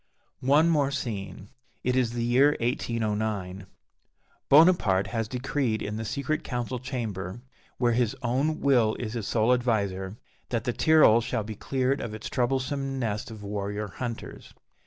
One more scene: it is the year 1809. Bonaparte has decreed in the secret council chamber, where his own will is his sole adviser, that the Tyrol shall be cleared of its troublesome nest of warrior hunters.